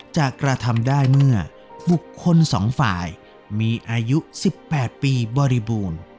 กระทำได้เมื่อบุคคลสองฝ่ายมีอายุ๑๘ปีบริบูรณ์